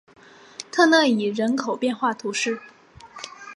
特讷伊人口变化图示